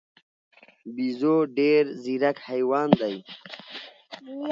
بیزو ډېر ځیرک حیوان دی.